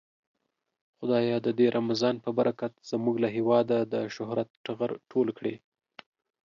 خدايه د دې رمضان په برکت زمونږ له هيواده د شهرت ټغر ټول کړې.